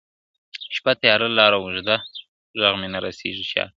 شپه تیاره لاره اوږده ده ږغ مي نه رسیږي چاته !.